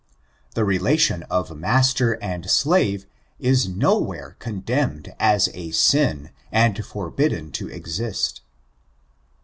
'* The relation of master and slave is nowhere condemned as a sin and forbidden to exist.